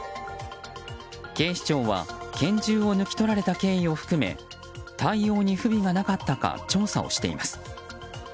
警視庁は拳銃を抜き取られた経緯を含め対応に不備がなかったか調査をしています。